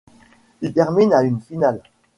Il termine à une finale.